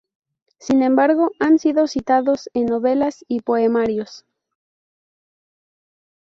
Sin embargo, han sido citados en novelas y poemarios.